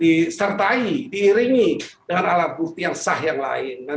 dengan alat bukti yang sah yang lain